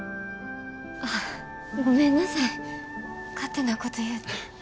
ああごめんなさい勝手なこと言うて。